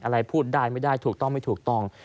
อะไรพูดได้ไม่ได้ถูกต้องไม่ถูกต้อง